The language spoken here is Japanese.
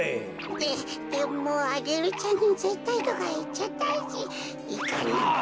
ででもアゲルちゃんにぜったいとかいっちゃったし。